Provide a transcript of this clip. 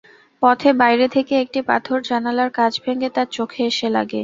পথে বাইরে থেকে একটি পাথর জানালার কাচ ভেঙে তাঁর চোখে এসে লাগে।